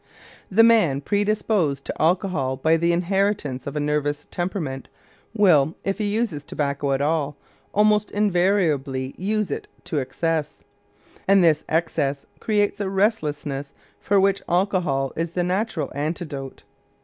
The man predisposed to alcohol by the inheritance of a nervous temperament will, if he uses tobacco at all, almost invariably use it to excess; and this excess creates a restlessness for which alcohol is the natural antidote.